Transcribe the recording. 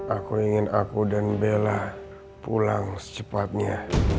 aku ingin aku dan bella pulang secepatnya